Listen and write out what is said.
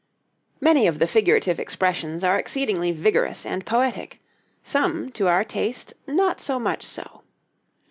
Many of the figurative expressions are exceedingly vigorous and poetic; some to our taste not so much so.